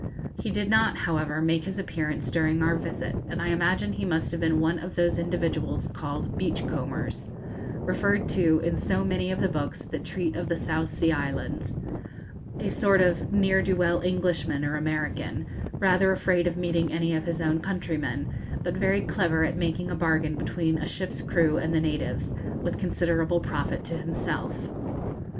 He did not, however, make his appearance during our visit, and I imagine he must have been one of those individuals called 'beach combers,' referred to in so many of the books that treat of the South Sea Islands, a sort of ne'er do well Englishman or American, rather afraid of meeting any of his own countrymen, but very clever at making a bargain between a ship's crew and the natives, with considerable profit to himself.